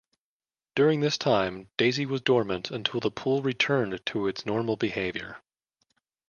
During this time, Daisy was dormant until the pool returned to its normal behavior.